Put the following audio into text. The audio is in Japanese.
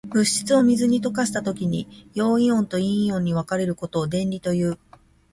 物質を水に溶かしたときに、陽イオンと陰イオンに分かれることを電離という。